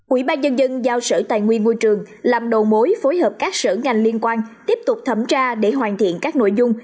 ủy ban nhân dân giao sở tài nguyên môi trường làm đầu mối phối hợp các sở ngành liên quan tiếp tục thẩm tra để hoàn thiện các nội dung